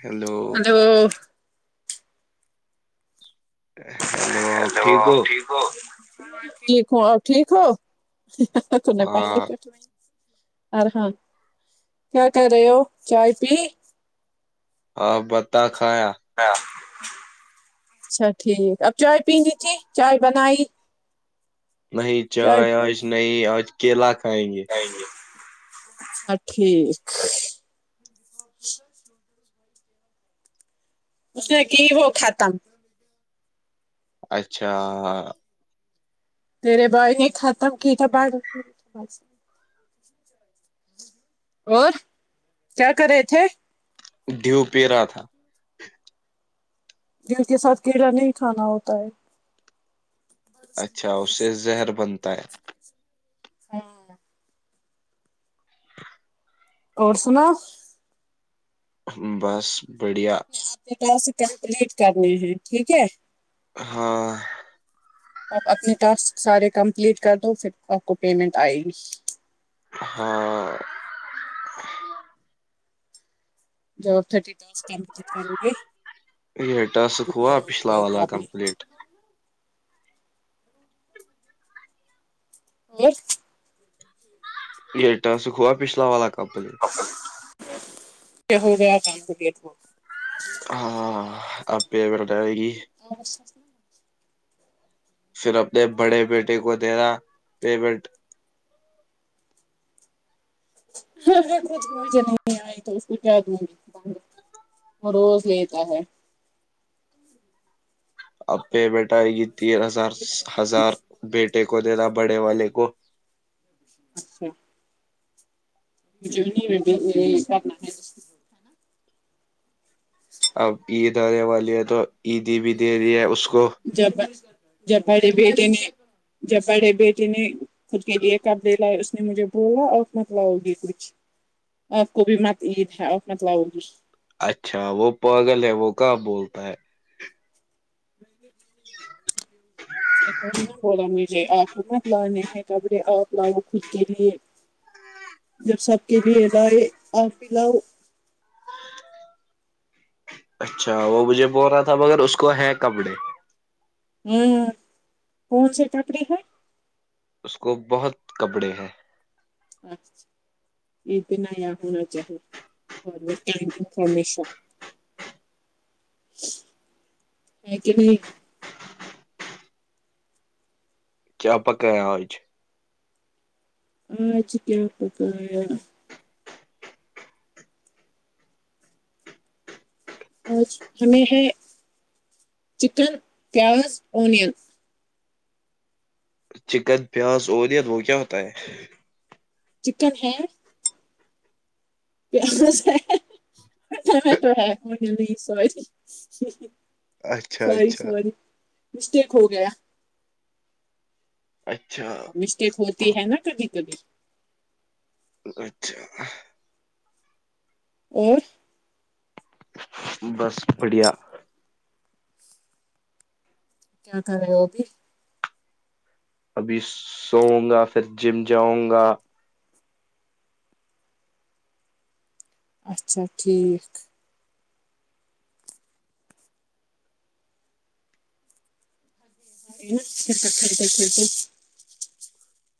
Hello hello hello آپ ٹھیک ہو ٹھیک ہوں اور ٹھیک ہو تو نہ پائ ہاں نہیں کٹ ارحان کیا کر رہے ہو چائے پی ہاں بتا کھایا ہاں اچھا ٹھیک اب چائے پینین تھی چائے بنائی نہیں چائے آج نہیں اور کے لاکھ ج گے ا ٹھیک اس نے کہ وہ کاتم اچھا تیرے بھائی نے ختم تھا ب اور کیا کرے تھے ڈھیو پی رہا تھا ج اس کے ساتھ کیڑا نہیں کھانا ہوتا ہے اچھا اس سے زہر بنتا ہے ہاں اور سنا بس بڑھیا س کمپلیٹ کرنے ہیں ٹھیک ہے ہاں آپ اپنے ٹاسک سارے کمپلیٹ کر دو پھر آپ کو پیمنٹ آئے گی ہاں جاب تھر د بج کرو گے یہ آپ ٹاسک کو ہوا پیمنٹ پچھلا آئے گی والا آپ نے کمپلیٹ جی [unintelligible] یہٹا سکھوا پچھلا والا کا کمپلیٹ [unintelligible] ہو گیا کام تو لیت ہاں آپہ بوردائے گی [unintelligible] اوراز چس ن [unintelligible] پھر اپنے بڑے بیٹے کو دینا پیمنٹ اگر کھ مجھے نہیں آئی تو اس کو کیا دوں گی وہ روز لیتا ہے اے بیھے [unintelligible] یہ تین ہزار ہزار بیٹے کو دتاا بڑے والے کو [unintelligible] اچھا [unintelligible] میں بھی یہ کرنا ہے اس ہے نا اب عید آنے والی ہے تو [unintelligible] عیدی بھی دے د ہے اس کو جب جب بڑے بیٹے نے جب بڑے بیٹے نے خود کے لیے کب دے لائے اس نے مجھے بولا آف مت لاؤ گی کچھ آپ کو بھی مت عید ہے آف مت لاؤ گی اچھا وہ پاگل ہے وہ کہاں بولتا ہے ج [unintelligible] نے تھوڑی نہ بولا آپ مت لانے ہیں کپڑے آپ لاؤ خود کے لیے جب سب کے لیے لائے آپ بھی لاؤ اچھا وہ مجھے بول رہا تھا مگر اس کو ہے کپڑے ہوں کون سی ککڑری ہے [unintelligible] اس کو بہت کپڑے ہیں یہ بنا یا ہونا چاہیے اور انفارمیشن ہے کہ نہیں چ پکیا ہوئیچ [unintelligible] آج کیاپکیا [unintelligible] آج ہمیں ہے چکن پیاز اونین [unintelligible] چکن پیاز الیت وہ کیا ہوتا ہے چکن ہے [unintelligible] پ سے میں تو ہے مھے نہیں سی اچھا اچھا [unintelligible] مسٹیک ہو گیا اچھا مسٹیک ہوتی ہے نا کبھی کبھی اچھا [unintelligible] اور بس بڑھیا [unintelligible] کیا کر رہے وہ بھی [unintelligible] ابھی سوؤ گا پھر جم جاؤں گا [unintelligible] اچھا ٹھیک [unintelligible] سب کرتے کرتے [unintelligible]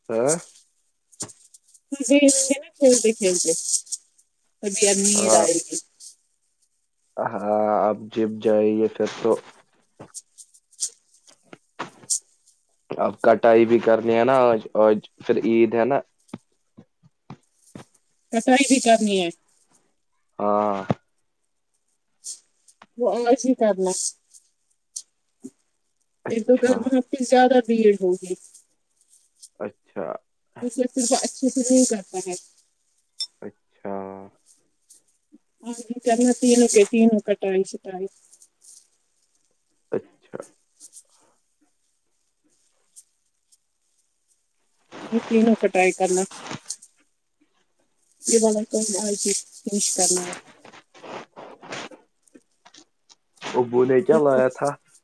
آ [unintelligible] تے ہوے نا کھیلتے کھیلتے ابھی اب نہیںد آئے گی ہاں آپ جب جائیے پھر تو [unintelligible] اب کٹائی بھی کرنی ہے نا آ آج پھر عید ہے نا رسائی بھی کرنی ہے [unintelligible] ہاں [unintelligible] وہس ہی کرنا [unintelligible] ایک دو گھر اچھا میں زیادہ [inaudible] بھیڑ ہوگی [inaudible] اچھا [unintelligible] اس صرف اچھے سے نہیں کرتا ہے [inaudible] اچھا [unintelligible] ہاں چنا تین کے تینوں کٹائی شٹائی [inaudible] اچھا [unintelligible] اور تینوں کٹرائی کرنا یہ والا چیز فش کرنا [unintelligible] ابو نے کیا لایا تھا [unintelligible]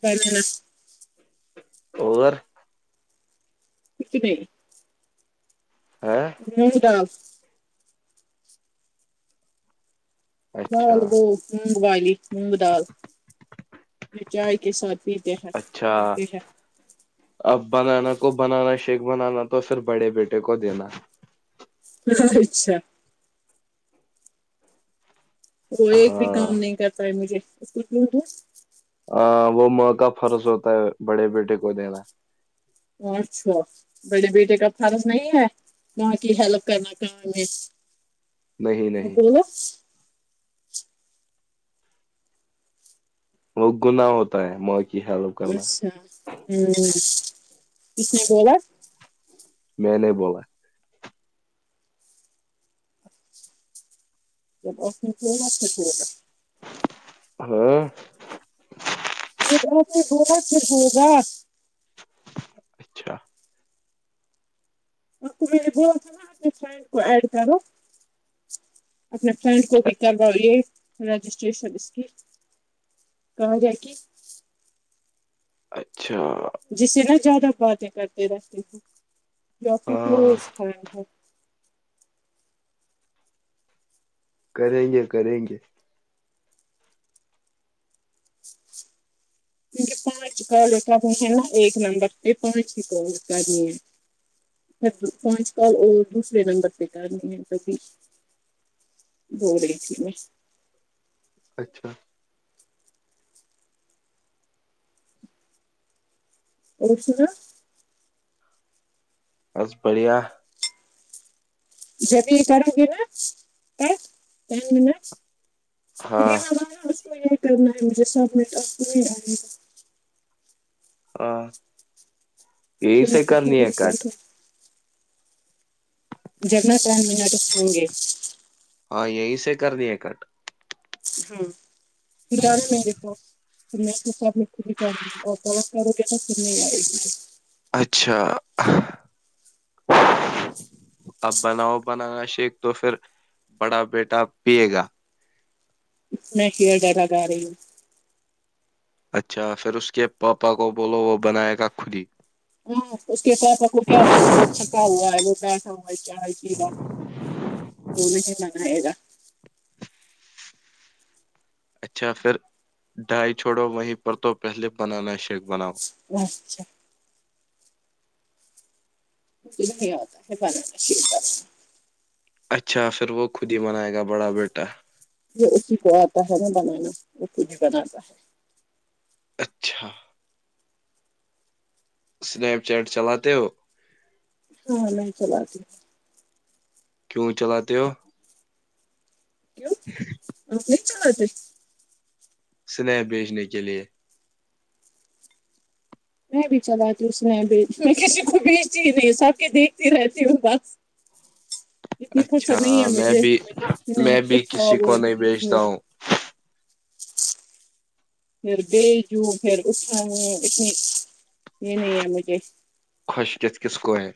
ب [inaudible] اور [inaudible] یک نہیں [inaudible] ہے ہٹا [inaudible] اچھا الالگو [unintelligible] مونگ والی مونگ دال چائے کے ساتھ [unintelligible] جییک سا اچھا سکشا [unintelligible] اب بنانا کو بنانا شیک بنانا تو سر بڑے بیٹے کو دینا [unintelligible] اچھا [unintelligible] وہ ایک بھی ہاں کام نہیں کر پا ہے مجھے [unintelligible] ت ہے [unintelligible] ہاں وہ مو کا فرض ہوتا ہے بڑے بیٹے کو دینا [unintelligible] اور چھو بڑے بیٹے کا فرض نہیں ہے ماں کی ہیلپ کرنا کااں میں نہیں [unintelligible] اک نہیں [unintelligible] [inaudible] وہ گنااہ ہوتا ہے م [unintelligible] اچھا ہ [unintelligible] کسنے ہوورا [unintelligible] میں نے بولا [unintelligible] چ ہو گا ک ہوا [unintelligible] ہوں [inaudible] پ ہوگا پھر ہوگا [unintelligible] اچھا [inaudible] آپ کو میں نے بولا تھا نا اپنے فرینڈ کو ایڈ کرو اپنے فرینڈ کو بھی کر لو یہ رجسٹریشن اس کی کہاں گیا کی [unintelligible] اچھا [inaudible] جس سے نا زیادہ باتیں کرتے رہتے ہیں [unintelligible] لک ک ہاں تھا ہے [unintelligible] کریں گے کریں گے [unintelligible] کیکہ پانچ کال ہے نا ایک نمبر پہ پانچ ہی کال کرنی ہے پانچ کال اور دوسرے نمبر پہ کرنی ہے تبھی بول رہی تھی میں [unintelligible] اچھا [unintelligible] اورشناا [unintelligible] بس بڑھیا [inaudible] جب یہ کرو گے ناین من ھر ہاں یہ ہمار اس کو [unintelligible] کرنا ہے مجھے سبمٹ آپ آئی گا ہ یہی پھر سےے میں کرنی دکھاؤں ہے گی کٹ کیسے جگناتان م نٹس ہوں گے [unintelligible] ہاں یہی سے کرنی ہے کٹ ہاں پھر آ میرے پوں گی کرو گے تو پھر نہیں آئے گی [unintelligible] اچھا اب بناؤ بنانا شیک تو پھر بڑا بیٹا پیے گا میں ہیئر ڈراگا رہی ہوں [unintelligible] اچھا پھر اس کے پاپا کو بولو وہ بنائے گا خودی ہاں اس کے پاپا کو کیا بولے ب تھکا ہوا ہے وہ بیٹھا ہوا ہے [unintelligible] کیا دون [unintelligible] گا [unintelligible] اچھا پھر ڈائی چھوڑو وہیں پر تو پہلے بنانا شروع اچھا نہیں ہوتا ہے با ش کر اچھا پھر وہ خود ہی منائے گا بڑا بیٹا یہ اسی کو آتا ہے نا بنانا وہ ک بھی بناتا ہے [unintelligible] اچھا سنیپ چیٹ چلاتے ہو ہاں میں چلتی کیوں چلاتے ہو؟ اوکے [unintelligible] چلتے [unintelligible] سنپ بیچنے کے لیے میں بھی چلاتی ہوں اس میں بھی میں کسی کو بھیجتی ہی نہیں سب کے دیکھتی رہتی ہوں بس اتنی اچھا فرصت نہیں ہے میں مجھے بھی میں سنیپ بھی اٹھاؤ کسی کو نہیں بھیجتا پھر ہوں پھر بھیجوں پھر اٹھاوں اتنی یہ نہیں ہے مجھے [unintelligible] خوش کس کس کو ہے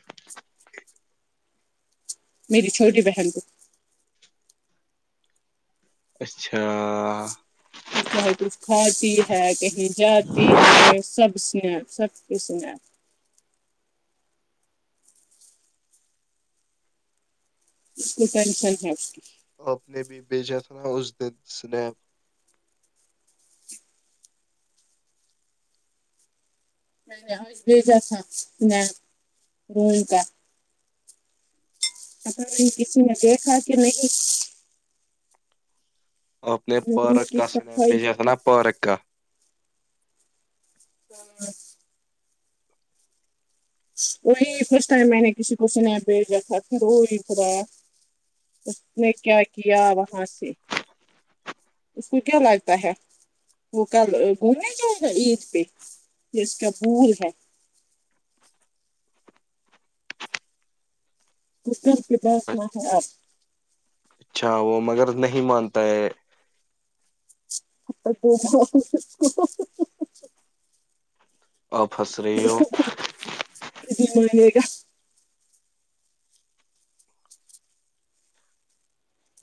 میری چھوٹی بہن کو [unintelligible] اچھا چاہے کچھ کھا پی ہے کہیں جاتی ہے سبس سخ کشنپ اسٹینشن [unintelligible] آپ نے بھی بیجا تھا اس دن سنیپ نہیں نہیں بیج روتا [unintelligible] ا کسی نے دیکھا کہ نہیں [unintelligible] ا اپنی میں نے روم پارک کی کا س صفائی جس کی نا پارک کا ہ [unintelligible] وہی فرسٹ ٹائم میں نے کسی کو سنایا بھیجا تھا پھروی خرا اس نے کیا کیا وہاں سے اس کو کیا لگتا ہے وہ کل گھومنے جائے گا عید پہ یہ اس کا بھول ہے کتا کے پاس ہے آپ [unintelligible] اچھا وہ مگر نہیں مانتا ہے آ تو [unintelligible] آپس رہو ک مانیے گا [unintelligible]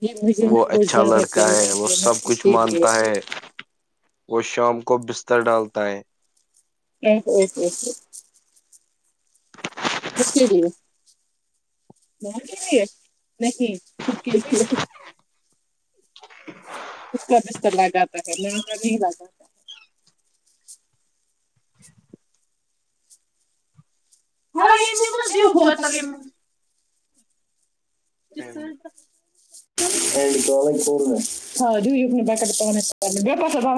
یہ مجھے وہ نا بہت اچھا زیادہ پا لڑکا وہ ہے نا سب کچھ اسی لیے مانتا ہے وہ شام کو بستر ڈالتا ہے ہ سی س [unintelligible] کے لیے کے لیے نہیں خود کے لیے [unintelligible] اس کا بستر لا جاتا ہے ن کا نہیں لا جاتا ہے ہاں یہ ک ج ہوتا [unintelligible] ہے ج [unintelligible] [inaudible]